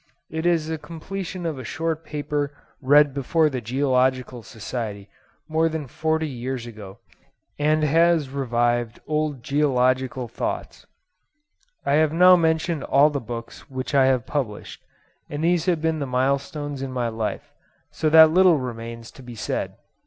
It is the completion of a short paper read before the Geological Society more than forty years ago, and has revived old geological thoughts. I have now mentioned all the books which I have published, and these have been the milestones in my life, so that little remains to be said.